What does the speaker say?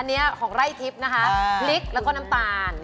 อันนี้ของไร่ทิพย์นะคะพริกแล้วก็น้ำตาล